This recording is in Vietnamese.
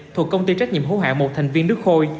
thuộc công ty trách nhiệm hữu hạng một thành viên nước khôi